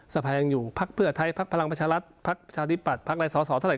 สภายังอยู่พักเพื่อไทยพักพลังประชารัฐพักประชาธิปัตยพักอะไรสอสอเท่าไห